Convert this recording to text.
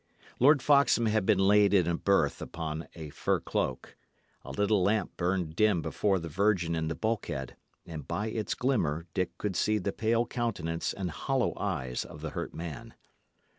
Lord Foxham had been laid in a berth upon a fur cloak. A little lamp burned dim before the Virgin in the bulkhead, and by its glimmer Dick could see the pale countenance and hollow eyes of the hurt man.